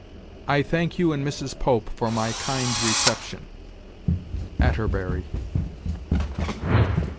"I thank you and Mrs. Pope for my kind reception." Atterbury.